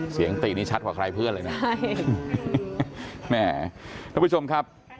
เสียงตีนี้ชัดกว่าใครเพื่อนเลยนะทุกผู้ชมครับ